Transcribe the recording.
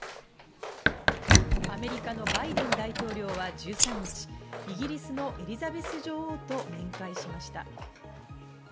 アメリカのバイデン大統領は１３日、イギリスのエリザベス女王と面会しました。